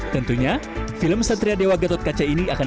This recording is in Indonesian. tentunya film satria dewa gatot kaca ini akan